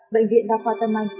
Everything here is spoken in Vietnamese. bệnh viện đa khoa tân anh